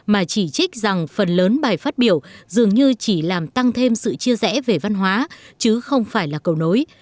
mà chỉ trích rằng phần lớn bài phát biểu dường như chỉ làm tăng thêm sự chia rẽ về văn hóa chứ không phải là cầu nối